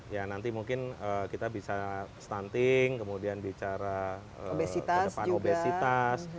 ya nanti mungkin kita bisa stunting kemudian bicara ke depan obesitas